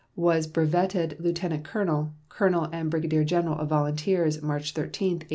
Was brevetted lieutenant colonel, colonel, and brigadier general of volunteers March 13, 1865.